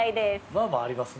まあまあありますね。